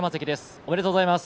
おめでとうございます。